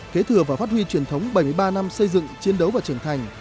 kế thừa vào phát huy truyền thống bảy mươi ba năm xây dựng chiến đấu và trở thành